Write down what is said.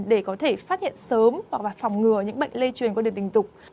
để có thể phát hiện sớm và phòng ngừa những bệnh lây truyền qua đường tình dục